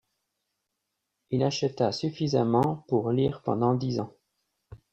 Il acheta suffisamment pour lire pendant dix ans.